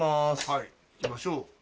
はい行きましょう。